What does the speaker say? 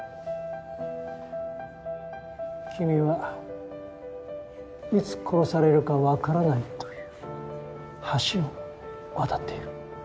君はいつ殺されるかわからないという橋を渡っている。